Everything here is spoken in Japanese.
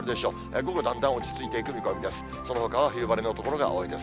午後、だんだん落ち着いていく見込みです。